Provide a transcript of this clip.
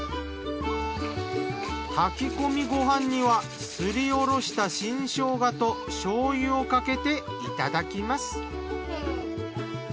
炊き込みご飯にはすりおろした新しょうがと醤油をかけていただきます。